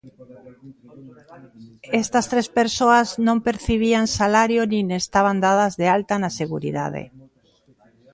Estas tres persoas non percibían salario nin estaban dadas de alta na Seguridade.